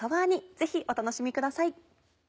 ぜひお楽しみください。